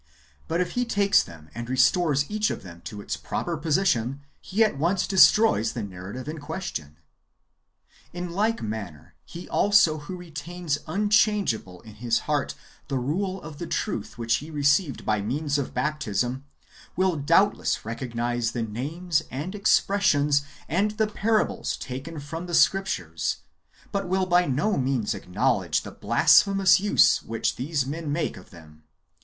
But if he takes them and restores each of them to its proper position, he at once destroys the narrative in question. In like manner he also who retains unchangeable^ in his heart the rule of the truth which he received by means of baptism, will doubtless recog nise the names, the expressions, and the parables taken from the Scriptures, but will by no means acknowledge the blasphe mous use which these men make of them.